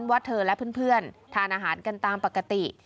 ว่าเธอและเพื่อนทานอาหารกันตามปกติ